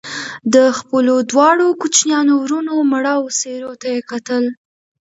د خپلو دواړو کوچنيانو وروڼو مړاوو څېرو ته يې کتل